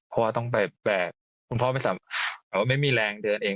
เพราะว่าต้องไปแบบคุณพ่อไม่สามารถไม่มีแรงเดินเอง